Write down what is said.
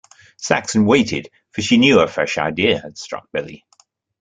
Saxon waited, for she knew a fresh idea had struck Billy.